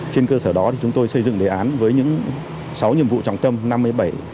trên cơ sở đó chúng tôi xây dựng đề án với những sáu nhiệm vụ trọng tâm